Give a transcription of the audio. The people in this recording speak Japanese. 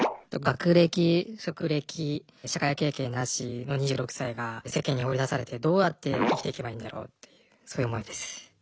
学歴職歴社会経験なしの２６歳が世間に放り出されてどうやって生きていけばいいんだろうっていうそういう思いです。